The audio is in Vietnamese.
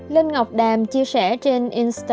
linh ngọc đàm chia sẻ trên